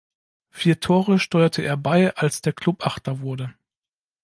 Vier Tore steuerte er bei, als der Klub Achter wurde.